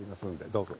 どうぞ。